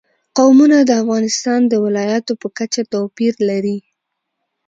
قومونه د افغانستان د ولایاتو په کچه توپیر لري.